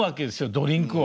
ドリンクを。